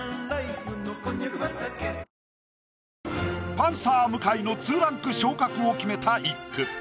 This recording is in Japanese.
パンサー向井の２ランク昇格を決めた一句。